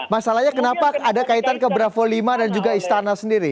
masalahnya kenapa ada kaitan ke bravo lima dan juga istana sendiri